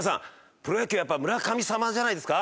プロ野球やっぱ村神様じゃないですか？